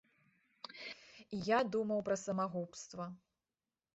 І я думаў пра самагубства.